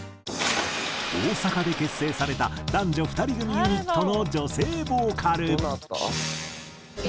大阪で結成された男女２人組ユニットの女性ボーカル。